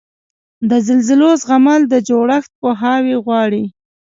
د زلزلو زغمل د جوړښت پوهاوی غواړي.